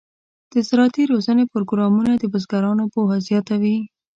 د زراعتي روزنې پروګرامونه د بزګرانو پوهه زیاتوي.